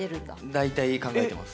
大体考えてます。